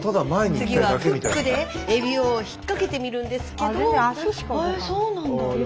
次はフックでエビを引っ掛けてみるんですけど。